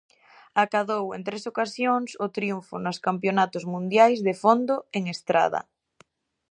Acadou en tres ocasións o triunfo nos Campionatos Mundiais de fondo en estrada.